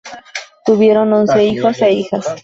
Tuvieron once hijos e hijas.